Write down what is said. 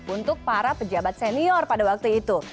untuk para pejabat senior pada waktu itu